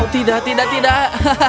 tidak tidak tidak